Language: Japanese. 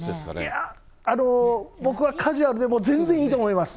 いや、僕はカジュアルで全然いいと思います。